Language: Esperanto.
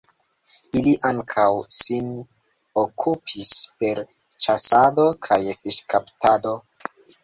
Ili ankaŭ sin okupis per ĉasado kaj fiŝkaptado.